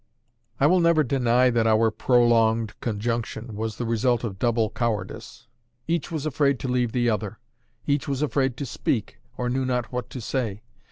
I will never deny that our prolonged conjunction was the result of double cowardice. Each was afraid to leave the other, each was afraid to speak, or knew not what to say.